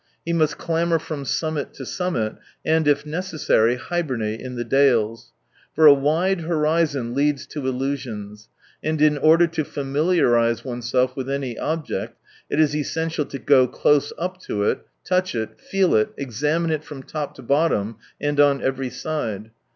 He must clamber from summit to summit, and, if necessary, hibernate in the dales. For a wide horizon leads to illusions, and in order to familiarise oneself with any object, it is essential to go close up to it, touch it, feel it, examine it from top to bottom and on every side.